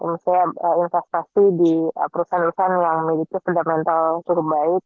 misalnya investasi di perusahaan perusahaan yang memiliki fundamental cukup baik